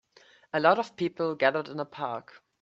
A lot of people gathered in a park.